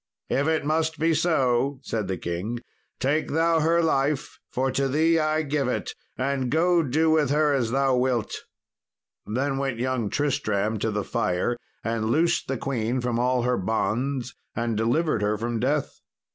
"If it must be so," said the king, "take thou her life, for to thee I give it, and go and do with her as thou wilt." Then went young Tristram to the fire and loosed the queen from all her bonds and delivered her from death.